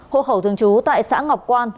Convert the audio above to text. hộ khẩu thường trú tại xã ngọc quan